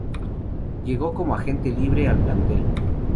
Llegó como Agente libre al plantel.